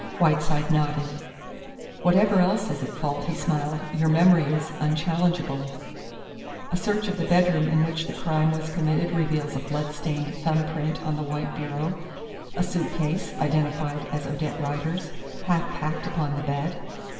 Whiteside nodded. "Whatever else is at fault," he smiled, "your memory is unchallengeable." "A search of the bedroom in which the crime was committed reveals a bloodstained thumb print on the white bureau, and a suit case, identified as Odette Rider's, half packed upon the bed.